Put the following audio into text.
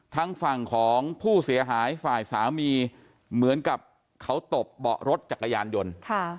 ทั้งฝั่งของผู้เสียหายฝ่ายสามีเหมือนกับเขาตบเบาะรถจักรยานยนต์